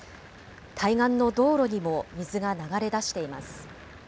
対岸の道路にも水が流れ出しています。